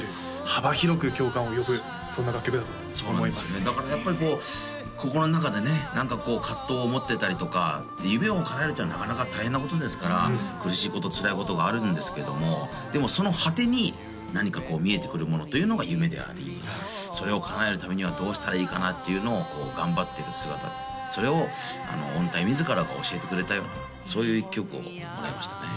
幅広く共感を呼ぶそんな楽曲だと思いますだからやっぱりこう心の中でね何かこう葛藤を持ってたりとか夢を叶えるってのはなかなか大変なことですから苦しいことつらいことがあるんですけどもでもその果てに何かこう見えてくるものというのが夢でありそれを叶えるためにはどうしたらいいかなっていうのを頑張ってる姿それを御大自らが教えてくれたようなそういう一曲をもらいましたね